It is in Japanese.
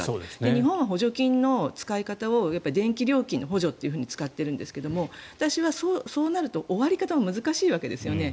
日本は補助金の使い方を電気料金の補助に使ってるけど私は、そうなると終わり方も難しいわけですね。